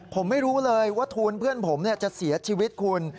ผมไม่รู้เลยว่าทูลเพื่อนผมจะเสียชีวิตคุณ